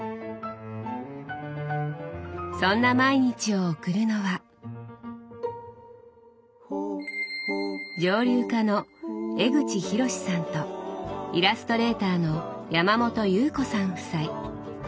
そんな毎日を送るのは蒸留家の江口宏志さんとイラストレーターの山本祐布子さん夫妻。